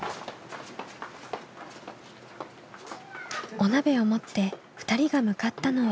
お鍋を持って２人が向かったのは。